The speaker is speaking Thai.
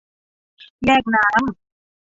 แยกน้ำ